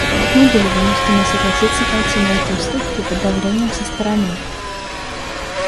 Мы были вынуждены согласиться пойти на эти уступки под давлением со стороны.